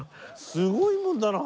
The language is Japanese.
すごいもんだな。